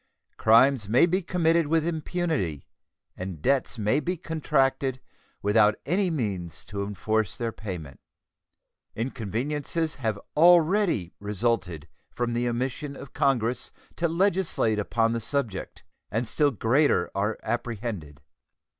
Crimes may be committed with impunity and debts may be contracted without any means to enforce their payment. Inconveniences have already resulted from the omission of Congress to legislate upon the subject, and still greater are apprehended.